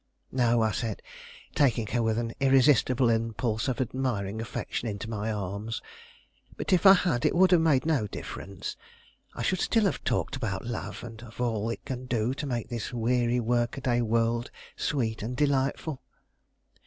"No," I said, taking her with an irresistible impulse of admiring affection into my arms; "but if I had, it would have made no difference. I should still have talked about love, and of all it can do to make this weary workaday world sweet and delightful."